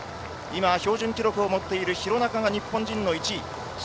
標準記録を持っている廣中が日本人の１位です。